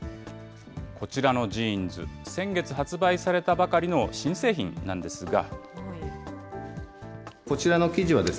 こちらのジーンズ、先月発売されたばかりの新製品なんですが。